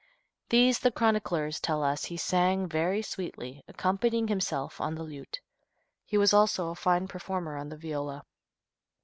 These the chroniclers tell us he sang very sweetly, accompanying himself on the lute. He was also a fine performer on the viola.